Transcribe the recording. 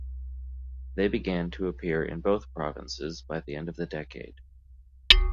They began to appear in both provinces by the end of the decade.